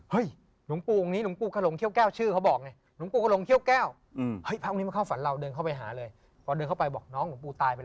เฮ้ยหนุ่งปูองค์นี้หนุ่งปูขระหลงเขี้ยวแก้วชื่อเขาบอกไง